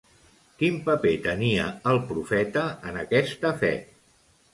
Quin paper tenia el profeta en aquesta fe?